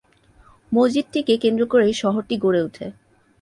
মসজিদটিকে কেন্দ্র করেই শহরটি গড়ে ওঠে।